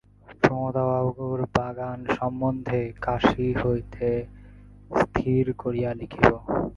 প্রমদাবাবুর বাগান সম্বন্ধে কাশী হইতে স্থির করিয়া লিখিব।